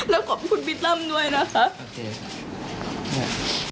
แล้วขอบคุณพี่ตั้มด้วยนะคะ